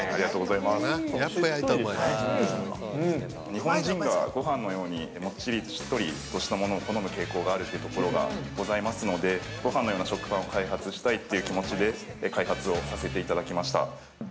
◆日本人がごはんのようにもっちりしっとりとしたものを好む傾向があるというところがございますので、ごはんのような食パンを開発したいという気持ちで開発をさせていただきました。